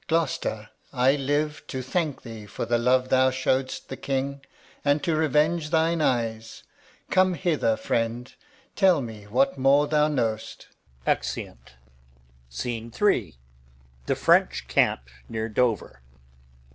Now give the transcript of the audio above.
Alb. Gloucester, I live To thank thee for the love thou show'dst the King, And to revenge thine eyes. Come hither, friend. Tell me what more thou know'st. Exeunt. Scene III. The French camp near Dover.